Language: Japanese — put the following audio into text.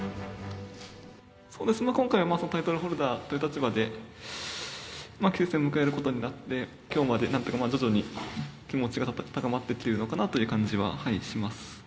そうですね、今回はタイトルホルダーという立場で、棋聖戦を迎えることになって、きょうまでなんとか徐々に気持ちが高まってきているのかなという感じはやはりします。